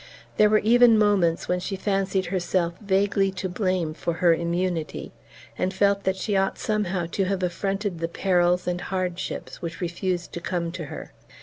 There were even moments when she fancied herself vaguely to blame for her immunity, and felt that she ought somehow to have affronted the perils and hardships which refused to come to her.